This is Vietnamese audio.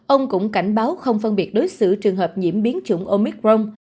ông cũng cảnh báo không phân biệt đối xử trường hợp nhiễm biến chủng omicron